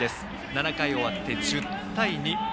７回終わって１０対２。